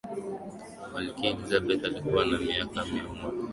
malkia elizabeth alikuwa na miaka mia moja na moja